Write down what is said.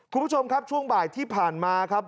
คุณผู้ชมครับช่วงบ่ายที่ผ่านมาครับ